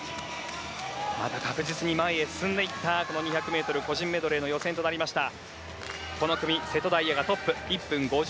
また確実に前へ進んでいった２００ｍ個人メドレーの予選となりました。